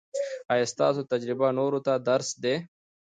ایا ستاسو تجربه نورو ته درس دی؟